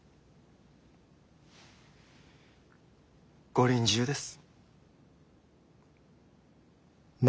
ご臨終です。